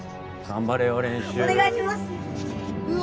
頑張れよ！